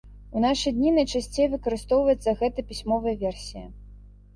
У нашы дні найчасцей выкарыстоўваецца гэта пісьмовая версія.